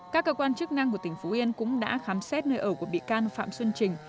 các cơ quan chức năng của tỉnh phú yên cũng đã khám xét nơi ở của bị can phạm xuân trình